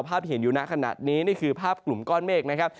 ที่เห็นอยู่ในขณะนี้นี่คือภาพกลุ่มก้อนเมฆนะครับ